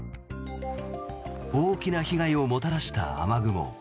大きな被害をもたらした雨雲。